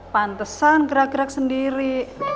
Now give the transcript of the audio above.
pantesan gerak gerak sendiri